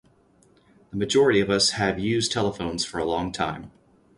The majority of us have used telephones for a long time.